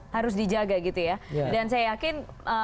harus dijaga gitu ya dan saya yakin